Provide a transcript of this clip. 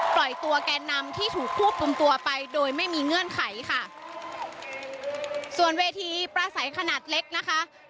ปล่อยตัวแกนนำที่ถูกควบคุมตัวไปโดยไม่มีเงื่อนไขค่ะส่วนเวทีประสัยขนาดเล็กนะคะ